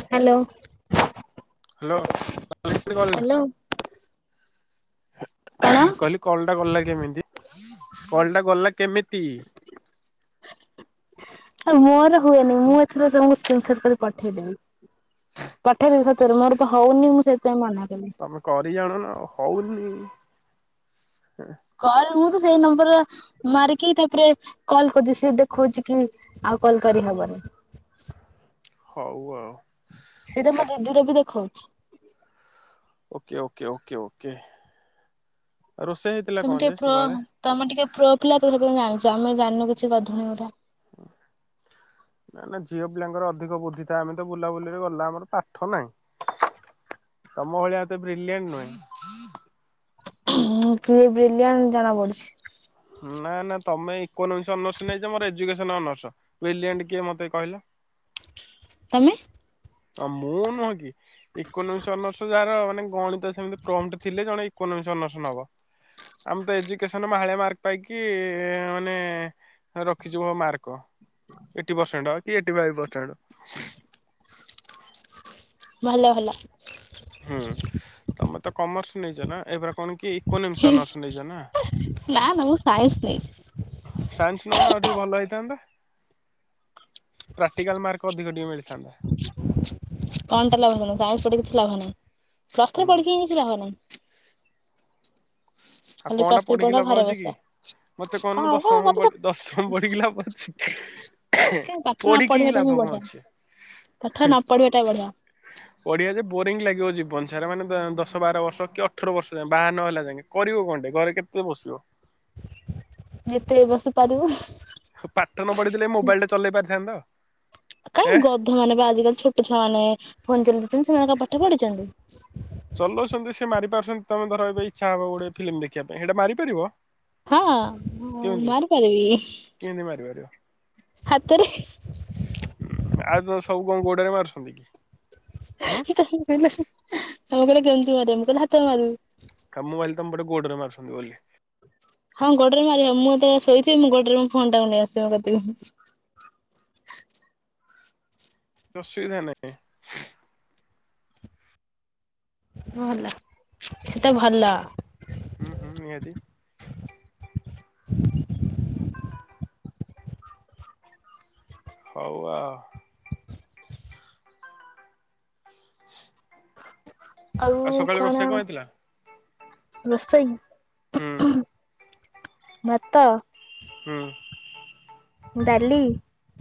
Hello. Hello. [unintelligible] କଣ? କହିଲି call ଟା ଗଲା କେମିତି? କଲ ଟା ଗଲା କେମିତି? ଆରେ ମୋର ହୁଏନି ମୁଁ ଏଥିରେ ତମକୁ ସ୍କିନ୍ ସଟ୍ କରି ପଠେଇଦେବି। ପଠେଇ ଦେବି ସତରେ ମୋର ତ ହଉ ନି ମୁଁ ସେଥିପାଇଁ ମନା କଲି। ତମେ କରି ଜାଣୁନ ହଉନି। କର ମୁଁ ତ ସେଇ ନମ୍ବର ମାରିକି ତାପରେ କଲ କରୁଛି ସିଏ ଦେଖଉଛି କି ଆଉ କଲ କରିହବନି। ହଉ ଆଉ। ସେଇଟା ମୋ ଦିଦିର ବି ଦେଖଉଛି। ଓକେ ଓକେ ଓକେ ଓକେ ରୋଷେଇ ହେଇଥିଲା ତମେ ଟିକେ କଣଯେ ପ୍ରୋ ସକାଳେ? ତମେ ଟିକେ ପ୍ରୋ ପିଲା ତ ସେଥିପାଇଁ ଜାଣିଛ ଆମେ ଜାଣିନୁ କିଛି ଗଧୁଣିଗୁରା ନା ନା ଝିଅ ପିଲାଙ୍କର ଅଧିକ ବୁଦ୍ଧିଥାଏ। ଆମେ ତ ବୁଲାବୁଲିରେ ଗଲା ଆମର ପାଠ ନାହିଁ। ତମ ଭଳିଆ ଏତେ ବ୍ରିଲିୟାଣ୍ଟ ନୁହେଁ। କିଏ ବ୍ରିଲିୟାନ ଜଣା ପଡୁଛି। ନା ନା ତମେ ଇକୋନୋମିକ ଅନରସ ନେଇଛ ମୋର ଏଜୁକେସନ୍ ଅନରସ୍ ବ୍ରିଲିଆଣ୍ଟ କିଏ ମୋତେ କହିଲ? ତମେ? ହଁ ମୁଁ ନୁହଁ କି ଇକୋନମିସ ଅନରସ ଯାର ମାନେ ଗଣିତ ସେମିତି ପ୍ରଣ୍ଟ ଥିଲେ ଜଣେ ଇକୋନୋମିକ୍ ଅନରସ୍ ନବ। ଆମେ ତ ଏଜୁକେସନ ମାହଳିଆ ମାର୍କ ପାଇକି ମାନେ ରଖିଛି ମୋ mark eight percent eight five percent. ଭଲ ଭଲ। ହୁଁ ତମେ ତ କମର୍ସ ନେଇଛ ନା ଏପରା କଣ କି? ଇକୋନମିକ୍ ଅନରସ୍ ନେଇଛ ନା? ନା ନା ମୁଁ ସାଇନ୍ସ ନେଇଛି। ସାଇନ୍ସ ନଉନ ଆଉ ଟିକେ ଭଲ ହେଇଥାନ୍ତା। ପ୍ରାକ୍ଟିକାଲ ମାର୍କ ଅଧିକ ଟିକେ ମିଳିଥାନ୍ତା। କଣ ଟା ଲାଭ ନାହିଁ। ସାଇନ୍ସ ପଢିକି କିଛି ଲାଭ ନାହିଁ ପ୍ଲସ ଥ୍ରୀ ହୁଁ ପଢିକି ହଁ କିଛି ଲାଭ ନାହିଁ। ଆଉ ଖାଲି କଅଁଟା ପ୍ଲସ୍ ଥ୍ରୀ ପଢ ପଢିକି ଲାଭ ଘରେ ଅଛି ବସ କି? ମତେ କଣ କହନୁ ହବ ମତେ ଦଶମ ତ ଦଶମ ପଢିକି ଲାଭ ଅଛି। କାଇଁ ପାଠ ନ ପଢିକି ହିଁ ପଢିବାଟା ଲାଭ କଣ ବଢିଆ ଅଛି। ପାଠ ନ ପଢିବାଟା ବଢିଆ। ପଢିଆ ଯେ ବୋରିଙ୍ଗ ଲାଗିବ ଯିବନସାରା ମାନେ ଦଶ ବାର ବର୍ଷ କି ଅଠର ବର୍ଷ ଯାଏଁ ବାହା ନହେଲା ଯାକେ। କରିବ କଣଟେ ଘରେ କେତେ ବସିବ। ଏତେ ବସିପାରିବୁ। ଉ ପାଠନ ପଢିଥିଲେ ମୋବାଇଲ ଟା ଚଲେଇ ପାରିଥାନ୍ତ? ଏ କାହିଁ ଗଧ ମାନେ ବା ଆଜିକାଲି ଛୋଟ ଛୁଆ ମାନେ ଫୋନ ଦେଉଛନ୍ତି ସେମାନେ କଣ ପାଠ ପଢିଛନ୍ତି? ଚଲଉଛନ୍ତି ସେ ମାରି ପାରୁଛନ୍ତି ତମେ ଧର ଏବେ ଇଚ୍ଛା ହବ ଗୋଟେ ଫିଲ୍ମ ଦେଖିବା ପାଇଁ ହେଟା ମାରିପାରିବ? ହଁ କେମିତି ମାରିପାରିବି କେମିତି ମାରିପାରିବ? ହାତରେ। ହୁଁ ଆଉ ତ ସବୁ କଣ ଗୋଡରେ ମାରୁଛନ୍ତି କି। ହୁଁ ତମେ କହିଲ ତମେ କହିଲ କେମିତି ମାରିବ ମୁଁ କହିଲି ହାତରେ ମାରିବି। କାମ ବାଲି ତମପଟେ ଗୋଡରେ ମାରୁଛନ୍ତି ବୋଲି। ହଁ ଗୋଡ଼ ରେ ମାରିବେ ମୁଁ ଏତବେଳେ ଶୋଇଥିବି ମୁଁ ଗୋଡ଼ରେ ମୋ ଫୋନ୍ ଟାକୁ ନେଇ ଆସିବ କତିକି। ଅସୁବିଧା ନାହିଁ। ଭଲ ସେତ ଭଲ। ହୁଁ ହୁଁ ନିହାତି। ହଉ ଆଉ। ଆଉ ସକାଳେ କଣ ରୋଷେଇ ହେଇଥିଲା? ରୋଷେଇ? ହୁଁ ହୁଁ। ଭାତ ହୁଁ। ଡାଲି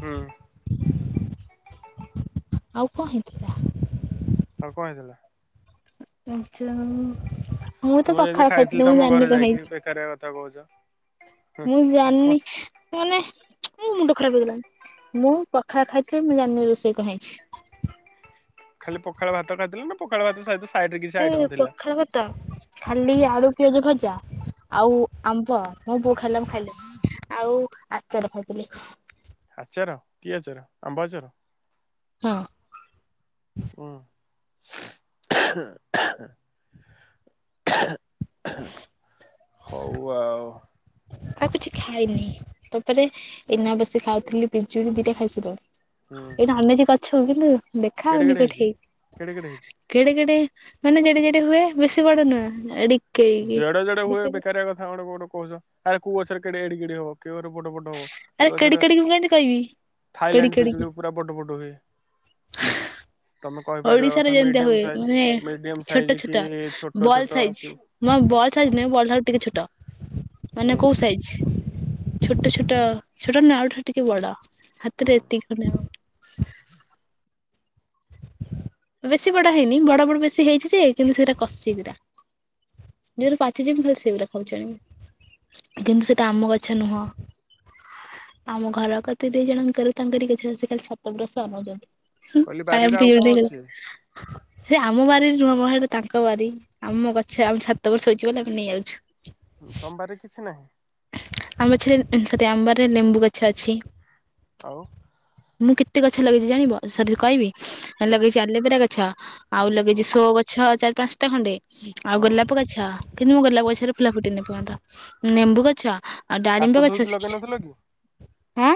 ହୁଁ। ଆଉ କଣ ହେଇଥି ଆଉ କଣ ହେଇଥିଲା? [unintelligible] ମୁଁ ତ ଯେମିତି ପଖାଳ ଖାଇଥିଲି ମୁଁ ତମ ଘରେ ଜାନି କଣ ଯାଇକି ହେଇଛି ବେକାରିଆ କଥା କହୁଛ ହୁଁ ମୁଁ ମ ଜାନି ମାନେ ମୁଁ ମୁଣ୍ଡ ଖରାପ ହେଇଗଲାଣି ମୁଁ ପଖାଳ ଖାଇଥିଲି ମୁଁ ଜାଣିନି ରୋଷେଇ କଁ ହେଇଛି? ଖାଲି ପଖାଳ ଭାତ ଖାଇଥିଲ ନା ପଖାଳ ଭାତ ସହିତ ସାଇଡ ରେ କିଛି ଏ ଆଇଟମ ଥିଲା? ପଖାଳ ଭାତ ଖାଲି ଆଳୁ ପିଆଜ ଭଜା ଆଉ ଆମ୍ବ ମୋ ବୋଉ ଖାଇଲା ମୁଁ ଖାଇଲିନି। ଆଉ ଆଚାର ଖାଇଥିଲି। ଆଚାର କି ଆଚାର ଆମ୍ବ ଆଚାର? ହଁ। ଉଁ। ହଉ ଆଉ। ଆଉ କିଛି ଖାଇନି ତାପରେ ଏଇନା ବସି ଖାଉଥିଲି ପିଜୁଳି ଦିଟା ଖାଇସାରିଲିଣି। ହୁଁ। ଏଇନା ଅନେଇଚି ଗଛୁକୁ କିନ୍ତୁ କେଡେ ଦେଖାହଉନି କେଡେ ହେଇଛି କୋଉଠି? କେଡେ କେଡେ ହେଇଛି। କେଡେ କେଡେ ମାନେ ଜେଡେ ଜେଡି ହୁଏ ବେଶୀ ବଡ ନୁହଁ ଏଡି ଜଡେଜେଡେ ହୁଏ ବେକାରିଆ କଥା ଗୁଡ଼ାକ ଗୋଟେ କୋହୁଚ ଆରେ କୋଉ ଗଛରେ କେଡେ ଏଡିକି ଏଡି ହବ କେଉଆରେ ବଡ଼ ବଡ଼ ହବ। ଆରେ କେଡି [unintelligible] କେଡିକି ମୁଁ କେମିତି କହିବି କେଡି ଥାଇଲାଣ୍ଡ ପିଜୁଳି ପୁରା ବଡ ବଡ ହୁଏ। ହଁ ତମେ କହିପାରିବା ଓଡିଶାରେ କଥା ଯେମିତିଆ ମିଡିୟମ ହୁଏ ସାଇଜ ମାନେ ମିଡିୟମ ଛୋଟ ସାଇଜ କି ଛୋଟ ଛୋଟ ବଲ ଛୋଟ ସାଇଜ। କି ମଁ ବଲ୍ ହଁ ସାଇଜ ନୁହେଁ ବଲ୍ ଠାରୁ ଟିକେ ଛୋଟ ହୁଁ ମାନେ କୋଉ ସାଇଜ? ଛୋଟ ଛୋଟ ଛୋଟ ନୁଏଁ ଆଉଠାରୁ ଟିକେ ବଡ ହୁଁ। ହାତରେ ଏତିକି ଖଣ୍ଡେ ହବ। ବେଶୀ ବଡ ହେଇନି ବଡ ବଡ ବେଶୀ ହେଇଚି ଯେ କିନ୍ତୁ ସେଇରା କଷି ଗୁରା। ଜଉରା ପାଚିଛି ମୁଁ ଖାଲି ସେଉରା ଖାଉଚି ଆଣିକି କିନ୍ତୁ ସେଇଟା ଆମ ଗଛ ନୁହଁ। ଆମ ଘର କତିରେ ଜଣଙ୍କର ତାଙ୍କରି ଗଛ ସେଇଟା ସ [unintelligible] ହୁଁ କହିଲି କାଳେ ବାରିରେ ଆମେ ଆଉ ପିଜୁଳି କଣ ଅଛି ଦେଇଦେବେ। ସେ ଆମ ବାରିରେ ନୁହଁ ମ ସେଟା ତାଙ୍କ ବାରି ଆମ ଗଛ ଆମ ଛାତ ଉପରେ ଶୋଇଚି ବୋଲି ଆମେ ନେଇଆଉଛୁ। ତମ ବାରିରେ କିଛି ନାହିଁ? ଆମ ଗଛରେ ସରି ଆମ ବରିରେ ଲେମ୍ବୁ ଗଛ ଅଛି। ଆଉ ମୁଁ କେତେ ଗଛ ଲଗେଇଚି ଜାଣିବ ସରି କଇବି ହୁଁ ଲଗେଇଛି ଆଲେବେରା ଗଛ ଆଉ ଲଗେଇଚି ହୁଁ ସୋ ଗଛ ଚାରି ପାନ୍ ସଟା ଖଣ୍ଡେ ଆଉ ହୁଁ ଗୋଲାପ ଗଛ କିନ୍ତୁ ମୋ ଗୋଲାପ ହୁଁ। ଗଛରେ ଫୁଲ ଫୁଟିନି ଏପନ୍ତ ନେମ୍ବୁ ଗଛ ଆଉ ହାତ ଡାଳିମ୍ବ ଗଛ ଧୋଇକି ଛ ଲଗେଇ ଛ ନଥିଲ କି ହଁ।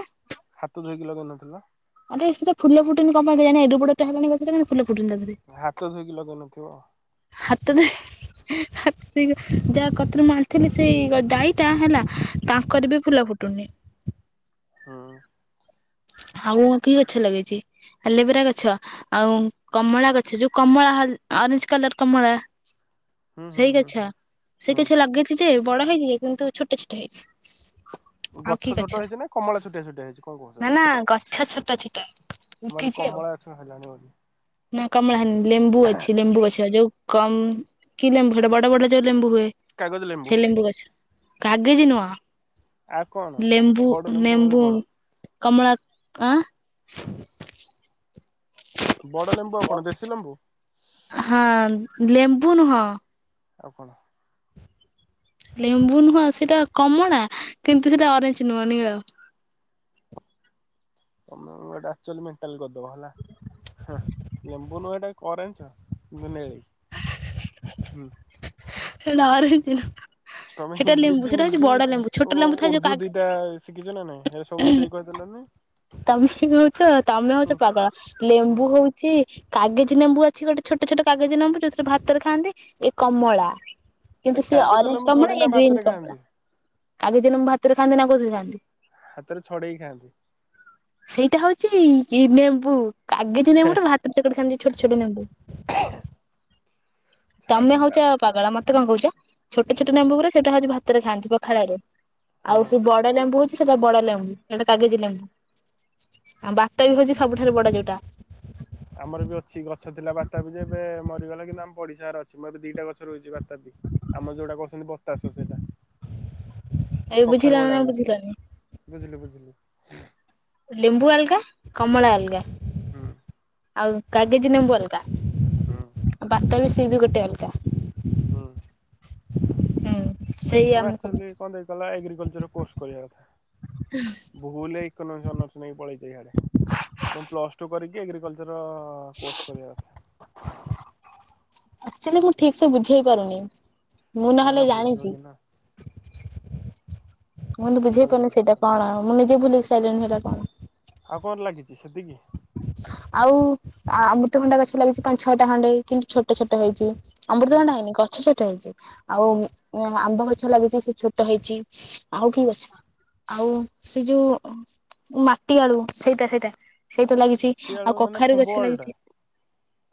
ହାତ ଧୋଇକି ଲଗେଇନଥିଲ? ଆରେ ସେଟା ଫୁଲ ଫୁଟୁନି କଣ ପାଇଁ କେଜାଣେ, ଏଡ ବଡଟା ହେଲାଣି ଗଛଟା କିନ୍ତୁ ଫୁଲ ଫୁଟୁନି ତାଧିଅରେ ହାତ ଧୋଇକି ଲଗେଇନଥିବ। ହାତ ଧୋଇ ହାତ ଧୋଇକି ଯା କତିରୁ ମୁଁ ଆଣିଥିଲି ସେଇ ଗ-ଡାଇ ଟା ହେଲା ହୁଁ ତାଙ୍କରି ବି ଫୁଲ ଫୁଟୁନି। ହଁ। ଆଉ ମୁଁ କି ଗଛ ଲଗେଇଚି, ଆଲେବେରା ଗଛ ଆଉ କମଳା ଗଛ ଯୋଉ କମଳା ହଲ୍ ଅରେଞ୍ଜ କଲର୍ କମଳା ହୁଁ ହୁଁ ସେଇ ହୁଁ ଗଛ ସେଇ ହୁଁ। ଗଛ ଲଗେଇଛି ଯେ, ବଡ ହେଇଛି ଯେ, କିନ୍ତୁ ଛୋଟ ଛୋଟ ହେଇଛି। ଆଉ ଗଛ କି ଛୋଟ ହେଇଛି ନା କମଳା ଛୋଟିଆ ଛୋଟିଆ ହେଇଛି? କଣ କହୁଛ ନା ତମେ? ନା ଗଛ ଛୋଟ ଛୋଟ ମୁଁ କହିଲି ଉଠିଚି ଆଉ। କମଳା ଗଛ ହେଲାଣି ବୋଲି ନା କମଳା ହେଇନି, ଲେମ୍ବୁ ଅଛି, ଲେମ୍ବୁ ଗଛ ଯୋଉ କମ୍ କି ଲେମ୍ବୁ ସେଟା ବଡ ବଡ ଯୋଉ ଲେମ୍ବୁ ହୁଏ? ସେ ଲେମ୍ବୁ ଗଛ, କାଗେଜି ନୁହଁ। ଆଉ କଣ? ଲେମ୍ବୁ ବଡ ଲେମ୍ବୁ ଆଉ ନେମ୍ବୁ କଣ କମଳା ଆ, [unintelligible] ବଡ ଲେମ୍ବୁ ଆଉ କଣ ଦେଶୀ ଲେମ୍ବୁ? ହଁ ଲେମ୍ବୁ ନୁହଁ। ଆଉ କଣ? ଲେମ୍ବୁ ନୁହଁ ସେଇଟା କମଳା, କିନ୍ତୁ ସେଇଟା ଅରେଞ୍ଜ ନୁଅଁ ନୀଳ। ତୋମେ ଏଟା ଆକ୍ଚୁଲି ମେଣ୍ଟାଲ୍ କରିଦବ ହେଲା। ହଁ ଲେମ୍ବୁ ନୁଅ ଏଟା ଅରେଞ୍ଜ ନୁ ନେଇ ହୁଁ,। ସେଟା ଅରେଞ୍ଜ ନୁହଁ। ତୋମେ ସେଇଟା ଲେମ୍ବୁ ଇଂଲିଶ ସେଇଟା ହଉଛି ହିନ୍ଦୀ ବଡ ଲେମ୍ବୁ ଛୋଟ ଓ ଲେମ୍ବୁ ଥାଏ ଯୋଉ ଉର୍ଦ୍ଧୁ କାଗ୍ ଦିଟା ଶିଖିଛ ନା ନାହିଁ ଏସବୁ ମିଶେଇକି କହିଦେଲନି? ତୋମେ ସେମିତି ହଉଛ ତୋମେ ହୁଁ ହଉଛ ପାଗଳ। ହୁଁ। ଲେମ୍ବୁ ହଉଛି କାଗେଜୀ ନେମ୍ବୁ ଅଛି ଗୋଟେ ଛୋଟ ଛୋଟ କାଗେଜୀ ନେମ୍ବୁ ଯୋଉଥିରେ ଭାତରେ ଖାଆନ୍ତି। ଏ କମଳା ଆରେ କିନ୍ତୁ ସିଏ କାଗଜ ଅରେଞ୍ଜ ଲେମ୍ବୁ ଥୋଡି କମଳା ନା ଇଏ ଗ୍ରୀନ୍ ଭାତରେ ଖାଆନ୍ତି କମଳା। କାଗିଜି ନେମ୍ୱୁ ଭାତରେ ଖାଆନ୍ତିନି ଆଉ କୋଉଥିରେ ଖାଆନ୍ତି? ହାତରେ ଛଡେଇକି ଖାଆନ୍ତି। ସେଇଟା ହଉଛି କି ନେମ୍ବୁ କାଗେଜି ନେମ୍ବୁ ଟା ଭାତରେ ଚକଟି ଖାଆନ୍ତି ଛୋଟ ଛୋଟ ନେମ୍ବୁ। ଛାଡ ତୋମେ ହଉଚ ଛାଡ ପାଗଳ ମୋତେ କଣ କହୁଚ, ଛୋଟ ଛୋଟ ହୁଁ ନେମ୍ବୁ ଗୁରା ସେଇଟା ହଉଛି ଭାତରେ ଖାଆନ୍ତି ପଖାଳରେ। ଆଉ ହୁଁ। ସେ ବଡ ଲେମ୍ବୁ ହଉଛି, ସେଟା ବଡ ଲେମ୍ବୁ ଏଟା କାଗେଜି ଲେମ୍ବୁ। ଆଉ ବାତାବି ହଉଛି ସବୁଠାରୁ ବଡ ଯୋଉଟା। ଆମର ବି ଅଛି ଗଛ ଥିଲା ବାତାପି ଯେ ଏବେ ମରିଗଲା, କିନ୍ତୁ ଆମ ପଡିଶା ଘର ଅଛି, ମୁଁ ଏବେ ଦିଟା ଗଛ ରୁଇଚି ବା ତାବି ଆମର ଯୋଉଟା କହୁଛନ୍ତି ବତାସ ସେଇଟା। ଏବେ କଖାରୁ ବୁଝିଲ ଭଳିଆ ନା ହୁଏ ବୁଝିଲନି? ବୁଝିଲି ବୁଝିଲି। ଲେମ୍ବୁ ଅଲଗା, କମଳା ଅଲଗା। ହୁଁ। ଆଉ କାଗେଜ ନେମ୍ୱୁ ଅଲଗା ହୁଁ ଆଉ ବାତାବି ସିଏ ବି ଗୋଟେ ଅଲଗା। ହୁଁ। ହୁଁ। ସେଇ ତୋମେ ଆମ ଆକ୍ଚୁଲି କହୁଛି କଣ ଦେଇ କଲା ଏଗ୍ରିକଲଚର୍ କୋର୍ସ କରିବା କଥା। [unintelligible] ଭୁଲଏ ଇକନୋମିକ୍ସନସ ଅନରସ୍ ନେଇକି ପଳେଇଛି ହେଆଡ଼େ ପ୍ଲସ୍ ଟୁ କରିକି ଏଗ୍ରିକଲଚର କୋର୍ସ କରିବା କଥା ଆଚୁଲି ମୁଁ ଠିକ ସେ ବୁଝେଇ ପାରୁନି ମୁଁ ନା ନା ନହେଲେ ବୁଝଉଛି ଜାଣିଛି। ନା ମୁଁ ତ କିଏ ବୁଝେଇ କହିଲା ପାରୁନି ସେଟା ବୁଝିବନି। କଣ ମୁଁ ନିଜେ ଭୁଲି ସିଲଣି ସେଟା କଣ? ଆଉ କଣ ଲାଗିଛି ସେତିକି ଆଉ ଅମୃତ ଖଣ୍ଡା ଗଛ ଲାଗିଛି ପାଞ୍ଚ ଛଅଟା ଖଣ୍ଡେ କିନ୍ତୁ ଛୋଟ ଛୋଟ ହେଇଛି ହୁଁ ଅମୃତଭଣ୍ଡା ହେଇନି ଗଛ ଛୋଟ ହେଇଛି ଆଉ ହୁଁ ଆମ୍ବ ଗଛ ଲାଗିଛି ସେ ଛୋଟ ହେଇଛି ଆଉ ହୁଁ ଠିକ ଅଛ ଆଉ ସେ ଯୋଉ ମାଟି ଆଳୁ ସେଇଟା ସେଇଟା ସେଇଟା ଲାଗିଛି ମାଟି ଆଉ ଆଳୁ ମାନେ କଖାରୁ ଖୁମ୍ବ ଗଛ ଆଳୁ ଟା। ଲାଗିଛି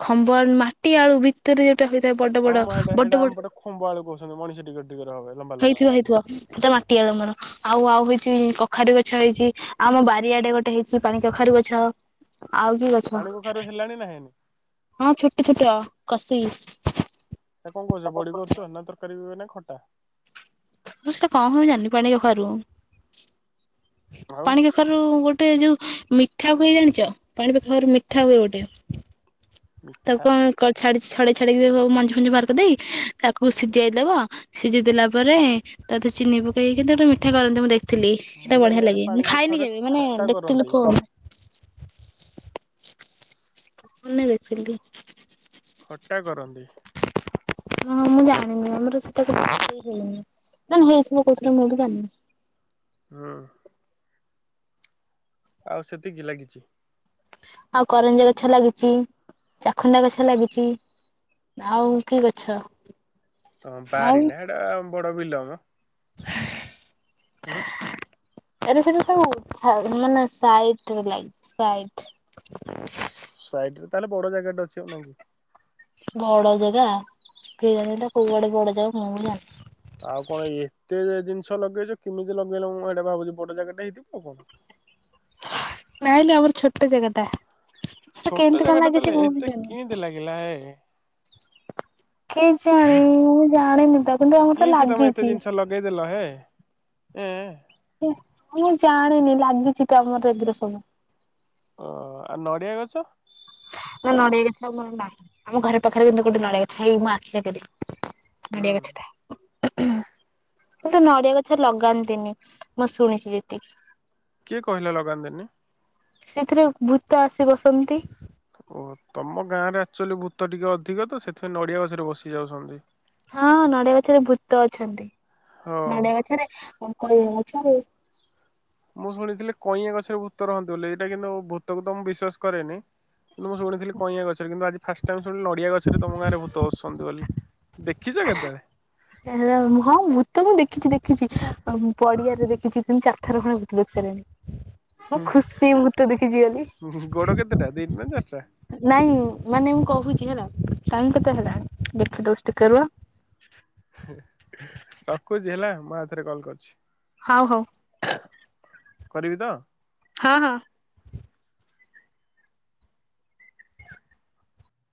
ଖମ୍ବ ଆ ମାଟି ଆଳୁ ବି ରେ ଯୋଉଟା ହେଇଥାଏ ବଡ ହଁ ବଡ ମୁଁ ହେଇଟା ବଡ ହେଇଟା ବ ଆମ ପଟେ ଖୁମ୍ବ ଆଳୁ କହୁଛନ୍ତି ମଣିଷ ଟିକଟ ଟିକର ହବେ ଲମ୍ବା ଲମ୍ବା। ହେଇଥିବ ହେଇଥଥିବ ସେଇଟା ମାଟିଆଳ ମର ଆଉ ଆଉ ହେଇଛି କଖାରୁି ଗଛ ହେଇଛି ଆମ ବାରିଆଡେ ଗୋଟେ ହେଇଛି ପାଣି କଖାରୁୀ ଗଛ ଆଉ କିଏ ଗଛ ପାଣି କଖାରୁ ହେଲାଣି ନା ହେଇନି ହଁ ଛୋଟ ଛୋଟ କସି ହେଇଚି ସେ କଣ କରୁଛ ବଡି କରୁଛ ନା ତରକାରୀ ବି ନା ଖଟା ମୁ ସେଟା କଣ ହଉ ଜାଣିନି ପାଣି କଖାରୁ ଆଉ ପାଣି ଖରୁ ଗୋଟେ ଯୋଉ ମିଠା ହୁଏ ଜାଣିଛ ପାଣି ପାଖ ଘଖରୁ ମିଠା ହୁଏ ଗୋଟେ ମିଠା ତାକୁ କଣଛା ଛଡେଇ ଛାଡିକି ମଞ୍ଜି ଫଞ୍ଜି ବାହାର କରି ଦେଇ ତାକୁ ସିଝେଇଦବ ସିଝି ଦେଲା ପରେ ତାରେ ଚିନି ପକେଇକି ଗୋଟେ ମିଠା କରନ୍ତି ମୁଁ ଦେଖି ଥିଲି ମୁଁ ସେଇଟା ବଢିଆ ଜାଣିବାରେ ଲାଗେ ପାଣି ମୁଁ ଖାଇନି କଖାରୁରେ କେବେ ମାନେ ଖଟା ଦେଖିଥିଲି କରନ୍ତି ଫୋନ ଫୋନ ଦେଖିଥିଲି ଖଟା କରନ୍ତି ହଁ ମୁଁ ଜାଣିନି ଆମର ସେଇଟା ହେଲିନି ମେ ହେଇଥିବ କହୁଥିଲେ ମୁଁ ବି ଜାିନି ହୁଁ ଆଉ ସେତିକି ଲାଗିଛି ଆଉ କରଞ୍ଜ ଗଛ ଲାଗିଛି ଚାଖୁଣ୍ଡା ଗଛ ଲାଗିଛି ଆଉ କି ଗଛ ତ ବାରି ନା ହେଟା ବଡ ବିଲ ମ ହ ହଁ ଆରେ ସେଟା ସବୁ ମାନେ ସାଇଟ ରେ ଲାଗିଛି ସାଇଡ ରେ ତାହେଲେ ବଡ ଜାଗା ଟେ ଅଛି ଆଉ ନାଇ କି ବଡ ଜାଗା କେଜାଣି ଏଇଟା କୋଉଆଡେ ବଡ ଜାଗା ମୁଁ ବି ଜାଣି ଆଉ କଣ ଏତେ ଜିନିଷ ଲଗେଇଛ କେମିତି ଲଗେଇଲ ମୁଁ ହେଇଟା ଭାବୁଛି ବଡ ଜାଗେଟା ହେଇଥିବ ଆଉ କଣ ନାଇଁଲ ଆମର ଛୋଟ ଜାଗା ଟା ସେ କେମତି କଣ ଲାଗିଛି ମୁଁ ବି ଜଣିନି କେତେ ଲାଗିଲା ହେ କେ ଜାଣି ମୁଁ ଜାଣିନି ତା କିନ୍ତି ତମେ ଏତେ ଜିନିଷ ଲଗେଇଦେଲ ହେ ଏଁ ମୁଁ ଜାଣିନି ଲାଗିଛି ତ ଆମର ଏଗିରେ ସବୁ ଓ ଆ ନଡ଼ିଆ ଗଛ ନା ନଡିଆ ଗଛ ଆମର ନା ଆମ ଘରେ ପାଖରେ କିନ୍ତୁ ଗୋଟେ ନଡିଆ ଗଛ ହେଇ ମୋ ଆଖି ଆଗରେ ହୁଁ ନଡ଼ିଆ ଗଛଟା ଏଟେ ନଡିଆ ଗଛ ଲଗାନ୍ତିନି ମୁଁ ଶୁଣିଛି ଯେତିକି କିଏ କହିଲା ଲଗାନ୍ତିନି ସେଥିରେ ଭୂତ ଆସି ବସନ୍ତି ଓହ ତମ ଗାଁ ରେ ଆକ୍ଚୁଆଲି ଭୂତ ଟିକେ ଅଧିକ ତ ସେଥିପାଇଁ ନଡ଼ିଆ ଗଛରେ ବସି ଯାଉଛନ୍ତି। ହଁ ନଡ଼ିଆ ଗଛରେ ଭୂତ ଅଛନ୍ତି ହଁ। ନଡ଼ିଆ ଗଛରେ କ ଗଛରେ ମୁଁ ଶୁଣିଥିଲି କଇଁଆଁ ଗଛରେ ଭୂତ ରହନ୍ତି ବୋଲି ଏଇଟା କିନ୍ତୁ ଭୂତକୁ ତ ମୁଁ ବିଶ୍ଵାସ କରେନି କିନ୍ତୁ ମୁଁ ଶୁଣିଥିଲି କଇଁଆ ଗଛରେ କିନ୍ତୁ ଆଜି ଫାଷ୍ଟ ଟାଇମ୍ ଶୁଣିଲି ନଡ଼ିଆ ଗଛରେ ତମ ଗାଁରେ ଭୂତ ଆଛନ୍ତି ବୋଲି ଦେଖିଛ କେତେବେଳେ? ହଁ ଭୂତ ମୁଁ ଦେଖିଛି ଦେଖିଛି ପଡ଼ିଆରେ ଦେଖିଛି ତିନି ଚାରଥର ଖଣ୍ଡେ ଭୂତ ଦେଖି ସାରିଲିଣି। ମୁଁ ଖୁସି ଭୂତ ଦେଖିଛି ବୋଲି ହ ଗୋଡ଼ କେତେଟା ଦିଟା ନା ଚାରଟା? ନାଇଁ ମାନେ ମୁଁ କହୁଛି ହେଲା ଟାଇମ୍ କେତେ ହେଲା ଦେଖି ଦଉଛି ଟିକେ ରୁହ ରଖୁଛି ହେଲା ମୁଁ ଆଉ ଥରେ କଲ କରୁଛି ହଉ ହଉ କରିବି ତ? ହଁ ହଁ।